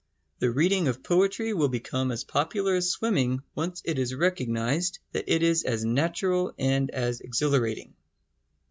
The reading of poetry will become as popular as swimming when once it is recognised that it is as natural and as exhilarating.